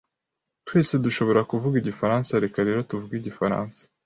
Twese dushobora kuvuga igifaransa, reka rero tuvuge igifaransa.